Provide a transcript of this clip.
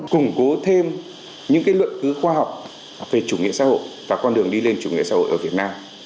củng cố thêm những luận cứ khoa học về chủ nghĩa xã hội và con đường đi lên chủ nghĩa xã hội ở việt nam